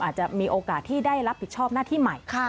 อาจจะมีโอกาสที่ได้รับผิดชอบหน้าที่ใหม่